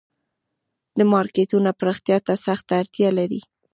دا مارکیټونه پراختیا ته سخته اړتیا لري